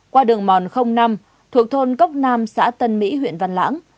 qua đường mòn năm thuộc thôn cốc nam xã tân mỹ huyện văn lãng